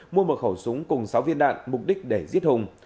mua một khẩu súng cùng sáu viên đạn mục đích để giết hùng